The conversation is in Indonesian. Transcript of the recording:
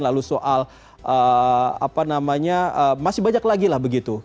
lalu soal apa namanya masih banyak lagi lah begitu